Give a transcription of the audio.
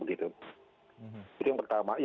itu yang pertama